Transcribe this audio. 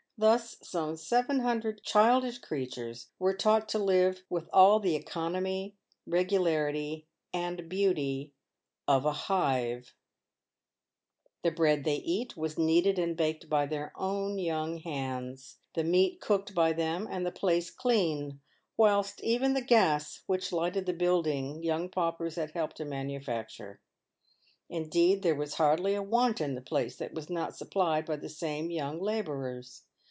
[Thus some seven hundred childish creatures were taught to live, witn all the economy, regularity, and beauty of a hiveT] The bread they eat was kneaded and baked by their own young hands, the meat cooked by them, and the place cleaned ; whilst even the gas which lighted the building young paupers had helped to manu facture. Indeed, there was hardly a want in the place that was not supplied by the same young labourers.